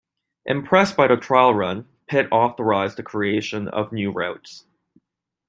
Impressed by the trial run, Pitt authorised the creation of new routes.